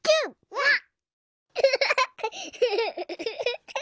わっ！